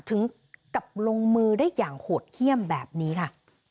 ถึงกับลงมือได้อย่างโหดเยี่ยมแบบนี้ค่ะ